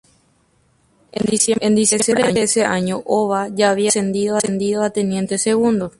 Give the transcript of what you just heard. En diciembre de ese año Ōba ya había sido ascendido a teniente segundo.